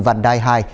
vành đài hai